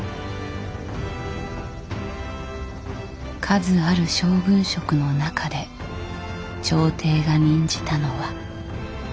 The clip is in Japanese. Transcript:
数ある将軍職の中で朝廷が任じたのは。